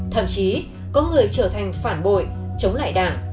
thậm chí có người trở thành phản bội chống lại đảng